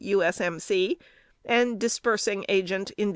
U. S. M. C., and Disb'g Agent, Ind.